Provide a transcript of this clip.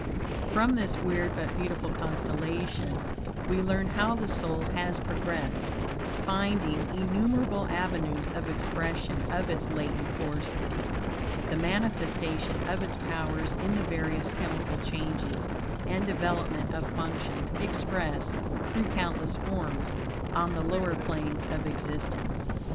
From this weird, but beautiful constellation, we learn how the soul has progressed, finding innumerable avenues of expression of its latent forces; the manifestation of its powers in the various chemical changes, and development of functions expressed through countless forms, on the lower planes of existence.